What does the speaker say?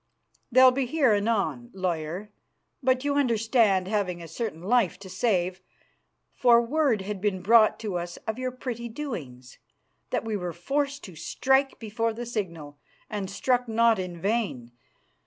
They'll be here anon, lawyer, but you understand, having a certain life to save, for word had been brought to us of your pretty doings, that we were forced to strike before the signal, and struck not in vain.